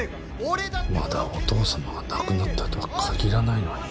まだお父さまが亡くなったとは限らないのに。